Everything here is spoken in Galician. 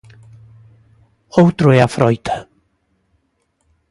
Outro é a froita.